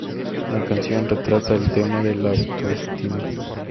La canción retrata el tema de la autoestima.